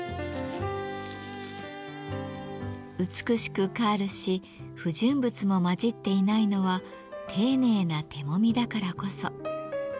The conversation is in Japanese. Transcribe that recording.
美しくカールし不純物も混じっていないのは丁寧な手もみだからこそ。